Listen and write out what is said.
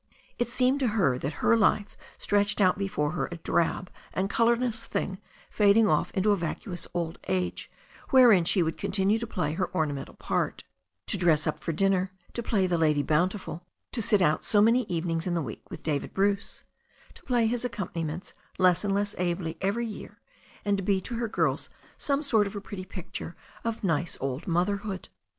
It seemed to her that her life stretched out before her a drab and colourless thing fading off into a vacuous old age, wherein she would continue to play her ornamental part, to dress up for din ner, to play the lady bountiful, to sit out so many evenings in the week with David Bruce, to play his accompaniments less and less ably every year, and to be to her girls some sort of a pretty picture of nice old motherhood.